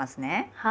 はい。